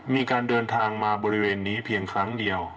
มีการเดินทางมาบริเวณนี้เพียงครั้งเดียว